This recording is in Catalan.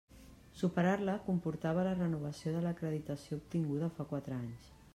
Superar-la comportava la renovació de l'acreditació obtinguda fa quatre anys.